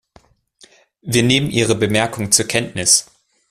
Wir nehmen Ihre Bemerkung zur Kenntnis.